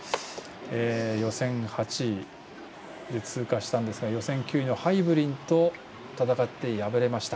予選８位で通過したんですが予選９位のハイブリンと戦って敗れました。